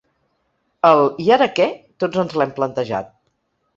El ‘i ara què?’ tots ens l’hem plantejat.